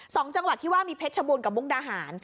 จังหวัดที่ว่ามีเพชรชบูรณกับมุกดาหาร